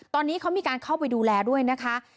ตอนนี้เขามีการเข้าไปดูแลด้วยนะคะ